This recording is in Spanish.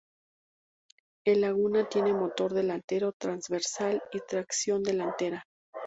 El Laguna tiene motor delantero transversal y tracción delantera.